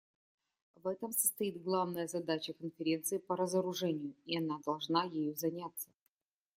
В этом состоит главная задача Конференции по разоружению, и она должна ею заняться.